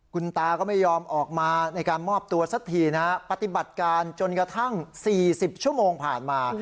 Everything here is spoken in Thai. คุณตาก็ไม่ยอมออกมาในการมอบตัวสักทีนะฮะปฏิบัติการจนกระทั่ง๔๐ชั่วโมงผ่านมา